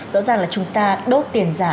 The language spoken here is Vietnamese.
rõ ràng là chúng ta đốt tiền giả